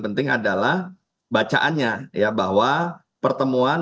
penting adalah bacaannya ya bahwa pertemuan